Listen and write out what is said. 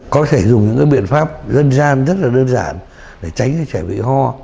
có thể dùng những cái biện pháp dân gian rất là đơn giản để tránh cho trẻ bị ho